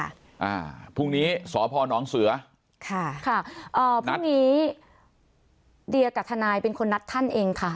อ่าพรุ่งนี้สพนเสือค่ะค่ะเอ่อพรุ่งนี้เดียกับทนายเป็นคนนัดท่านเองค่ะ